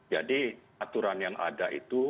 jadi aturan yang ada itu